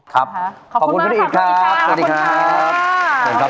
ขอบคุณโหลออิทธิ์ครับ